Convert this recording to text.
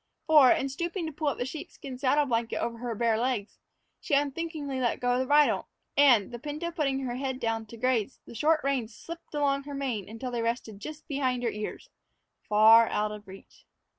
For, in stooping to pull the sheepskin saddle blanket over her bare legs, she unthinkingly let go of the bridle, and, the pinto putting her head down to graze, the short reins slipped along her mane until they rested just behind her ears far out of reach.